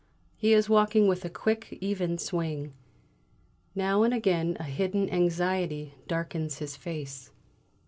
He is walking with a quick, even swing. Now and again a hidden anxiety darkens his face.